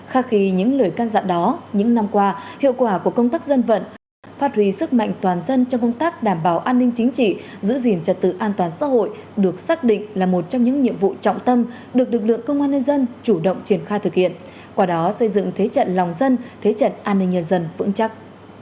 khác khi những lời can dặn đó những năm qua hiệu quả của công tác dân vận phát huy sức mạnh toàn dân trong công tác đảm bảo an ninh chính trị giữ gìn trật tự an toàn xã hội được xác định là một trong những nhiệm vụ trọng tâm được lực lượng công an nhân dân chủ động triển khai thực hiện qua đó xây dựng thế trận lòng dân thế trận an ninh nhân dân vững chắc